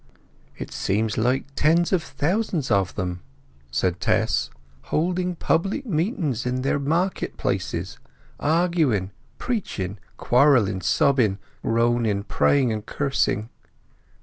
"It seems like tens of thousands of them," said Tess; "holding public meetings in their market places, arguing, preaching, quarrelling, sobbing, groaning, praying, and cursing."